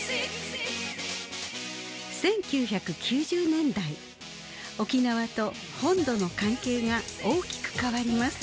１９９０年代沖縄と本土の関係が大きく変わります。